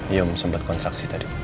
iya om sempat kontraksi tadi